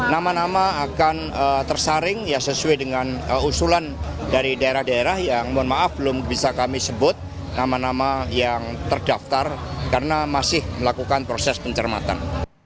nama nama akan tersaring sesuai dengan usulan dari daerah daerah yang mohon maaf belum bisa kami sebut nama nama yang terdaftar karena masih melakukan proses pencermatan